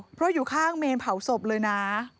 เพราะอยู่ข้างเมนเผาศพเลยนะ